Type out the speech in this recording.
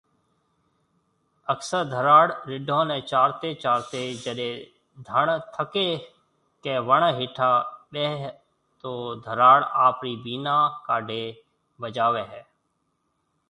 اڪثر ڌراڙ رڍون ني چارتي چارتي جڏي ڌڻ ٿڪي ڪي وڻ هيٺيا ٻيۿي تو ڌراڙ آپري بينا ڪاڍي بجاوي هي